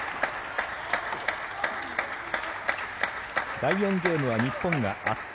第４ゲームは日本が圧倒。